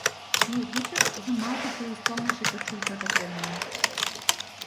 Мојот ручек, за малку ќе ја исполнеше качулката пред мене.